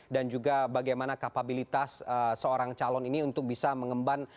dan juga bagaimana kapabilitas seorang calon ini untuk bisa mengemban